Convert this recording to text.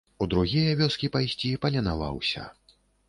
У другія вёскі пайсці паленаваўся.